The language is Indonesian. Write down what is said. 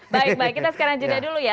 baik baik kita sekarang jeda dulu ya